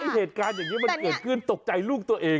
เหตุการณ์อย่างนี้มันเกิดขึ้นตกใจลูกตัวเอง